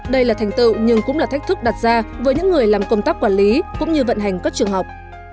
đây là thành tựu nhưng cũng là thách thức đặt ra với những người làm công tác quản lý cũng như vận hành các trường học